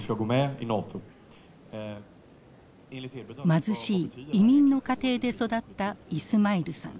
貧しい移民の家庭で育ったイスマイルさん。